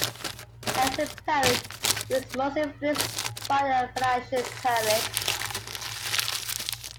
As a poet he was most influenced by the Parnassian poets.